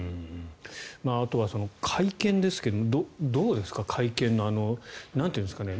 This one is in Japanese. あとは会見ですけどどうですか、会見の。なんて言うんですかね。